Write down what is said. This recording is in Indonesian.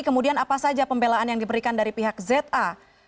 kemudian apa saja pembelaan yang diberikan dari pihak za